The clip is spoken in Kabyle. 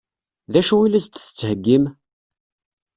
D acu i la s-d-tettheggim?